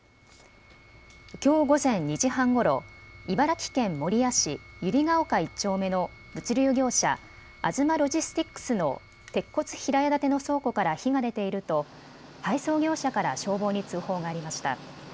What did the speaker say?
きょう午前２時半ごろ、茨城県守谷市百合ヶ丘１丁目の物流業者、アズマロジスティクスの鉄骨平屋建ての倉庫から火が出ていると配送業者から消防に通報がありました。